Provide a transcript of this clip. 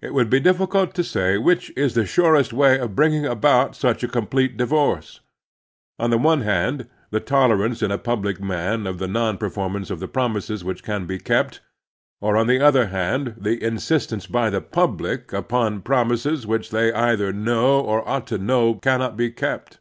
It would be difficult to say which is the surest way of bringing about such a complete divorce: on the one hand, the tolerance in a public man of the non performance of promises which can be kept; or, on the other hand, the insistence by the public upon promises which they either know or ought to know cannot be kept.